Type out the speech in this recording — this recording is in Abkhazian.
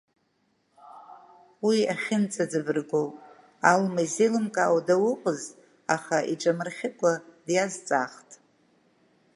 Уи ахьынӡаҵабыргу Алма изеилымкаауа дауҟаз, аха иҿамырхьыкәа, диазҵаахт…